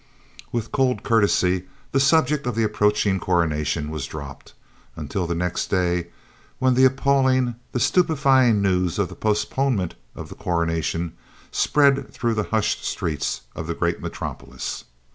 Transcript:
With cold courtesy the subject of the approaching Coronation was dropped, until the next day, when the appalling, the stupefying news of the postponement of the Coronation spread through the hushed streets of the great metropolis.